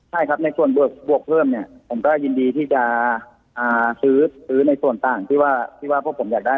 ใช่ครับในส่วนบวกเพิ่มเนี่ยผมก็ยินดีที่จะซื้อในส่วนต่างที่ว่าพวกผมอยากได้